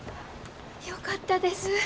よかったです。